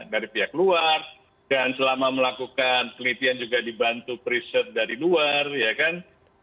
dari pihak luar dan selama melakukan penelitian juga dibantu periset dari luar ya kan